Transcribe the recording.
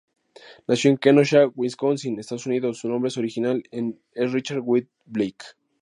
Nació en "Kenosha", Wisconsin, Estados Unidos, su nombre original es Richard Wayne Blake.